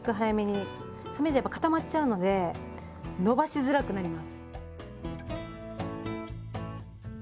冷めると固まっちゃうので伸ばしづらくなります。